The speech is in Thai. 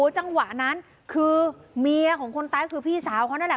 จังหวะนั้นคือเมียของคนตายคือพี่สาวเขานั่นแหละ